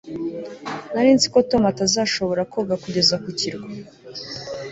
nari nzi ko tom atazashobora koga kugeza ku kirwa